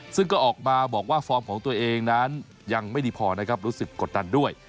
ซึ่งก็ออกมาบอกว่าฟอร์มของตัวเองนั้นยังไม่ดีพอนะครับรู้สึกกดดันด้วย